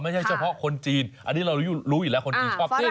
ไม่ใช่เฉพาะคนจีนอันนี้เรารู้อยู่แล้วคนจีนชอบเต้น